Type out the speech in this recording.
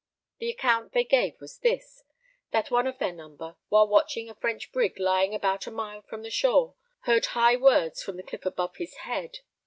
The account they gave was this: that one of their number, while watching a French brig lying about a mile from the shore, heard high words from the cliff above his head.